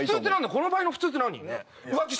この場合の普通って何？